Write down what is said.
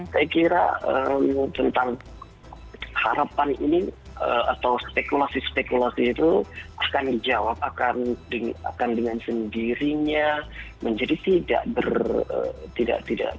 saya kira tentang harapan ini atau spekulasi spekulasi itu akan dijawab akan dengan sendirinya menjadi tidak